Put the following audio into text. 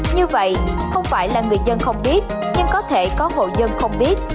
như vậy không phải là người dân không biết nhưng có thể có hộ dân không biết